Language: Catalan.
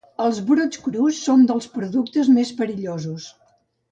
Els brots crus són un dels productes més perillosos.